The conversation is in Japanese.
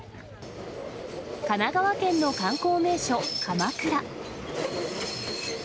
神奈川県の観光名所、鎌倉。